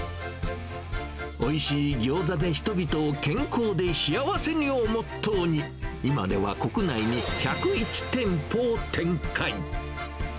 おいしい餃子で人々を健康で幸せにをモットーに、今では国内に１０１店舗を展開。